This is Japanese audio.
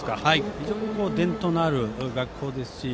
非常に伝統のある学校ですし。